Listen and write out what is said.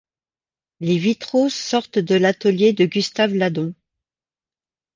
Les vitraux sortent de l’atelier de Gustave Ladon.